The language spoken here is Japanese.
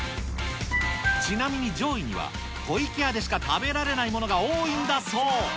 ちなみに上位には、湖池屋でしか食べられないものが多いんだそう。